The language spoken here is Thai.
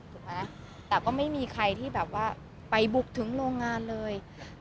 ถูกไหมแต่ก็ไม่มีใครที่แบบว่าไปบุกถึงโรงงานเลย